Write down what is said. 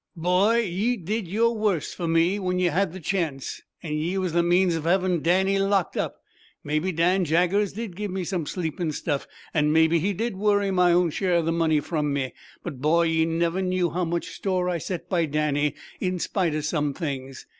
"Boy, ye did yer worst for me, when ye had the chance. And ye was the means of havin' Danny locked up. Mebbe Dan Jaggers did give me some sleepin' stuff, an' maybe he did worry my own share of the money from me; but, boy, ye never knew how much store I set by Danny in spite o' some things.